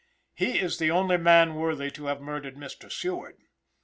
He is the only man worthy to have murdered Mr. Seward.